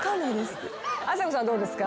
あさこさんどうですか？